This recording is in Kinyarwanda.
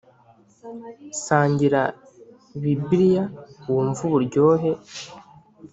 Sangira bibliya wumve uburyohe